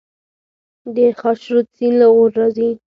د خاشرود سیند له غور راځي